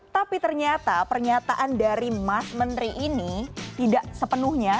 tapi ternyata pernyataan dari mas menteri ini tidak sepenuhnya